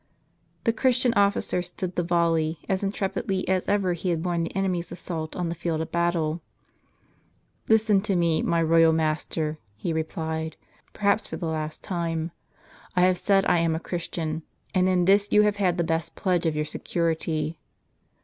The Christian officer stood the volley, as intrepidly as ever he had borne the enemy's assault, on the field of battle. "Listen to me, my royal master," he replied, "perhaps for the last time. I have said I am a Christian ; and in this you have had the best pledge of your security."